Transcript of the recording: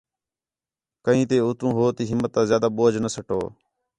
کَئی تے اُتّوں ہو تی ہِمت آ زیادہ بوجھ نہ سَٹو